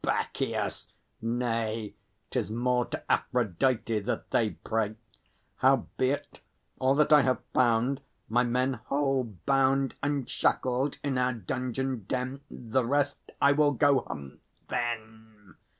Bacchios! Nay, 'Tis more to Aphrodite that they pray. Howbeit, all that I have found, my men Hold bound and shackled in our dungeon den; The rest, I will go hunt them!